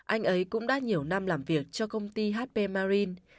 anh ấy cũng đã nhiều năm làm việc cho công ty hp marin